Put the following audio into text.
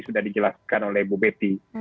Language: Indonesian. sudah dijelaskan oleh bu betty